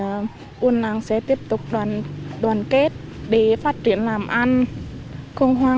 không hoang mang buôn làng tin tưởng đáng vào nhà nước trong trường hợp có những người lã xuất hiện thể báo với chính quyền địa phương